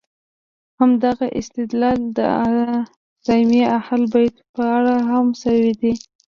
همدغه استدلال د ائمه اهل بیت په اړه هم شوی دی.